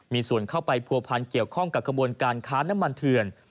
มีส่วนเข้าไปผัวพันเกี่ยวข้องกับกระบวนการค้าน้ำมันเถื่อน